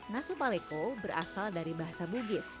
nasu paleco berasal dari bahasa bugis